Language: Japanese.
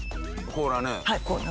甲羅ね。